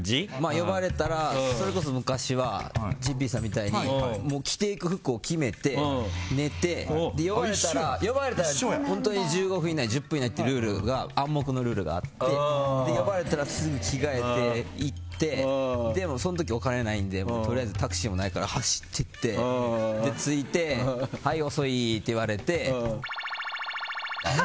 呼ばれたら、それこそ昔はＪＰさんみたいに着ていく服を決めて、寝て呼ばれたら１５分以内、１０分以内って暗黙のルールがあって呼ばれたらすぐ着替えて行ってその時お金もないのでタクシーもないから走って行って、着いてはい、遅い！って言われてとか。